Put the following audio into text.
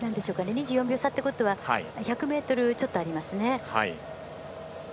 ２４秒差っていうことは１００ｍちょっとありますね。